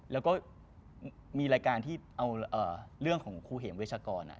แล้วก็มีรายการที่เอาเอ่อเรื่องกองคุเฮยมเวชากรน่ะ